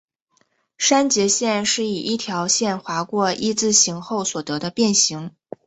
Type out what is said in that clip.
删节线是以一条线划过一字形后所得的变型。